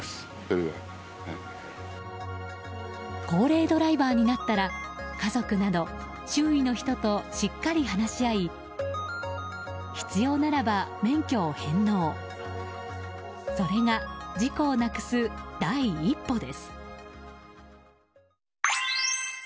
高齢ドライバーになったら家族など周囲の人としっかり話し合い必要ならば免許を返納それが事故をなくす第一歩です。